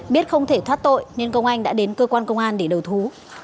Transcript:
biết không thể thoát tội nên công anh đã đến cơ quan công an để đầu thú